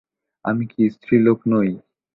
আমি কি স্ত্রীলোক নই।